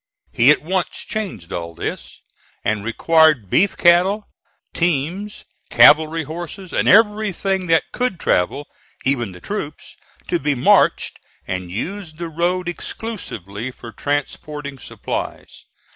He at once changed all this, and required beef cattle, teams, cavalry horses, and everything that could travel, even the troops, to be marched, and used the road exclusively for transporting supplies.